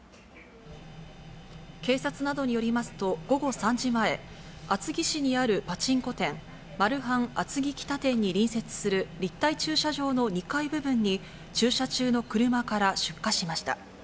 警察などによりますと、午後３時前、厚木市にあるパチンコ店、マルハン厚木北店に隣接する立体駐車場の２階部分に、駐車中の車から出火しました。